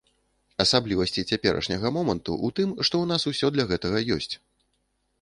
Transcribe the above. Асаблівасці цяперашняга моманту ў тым, што ў нас ўсё для гэтага ёсць.